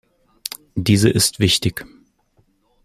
Diese ist wichtig.